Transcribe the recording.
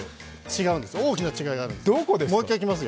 違うんです、大きな違いがあるんです。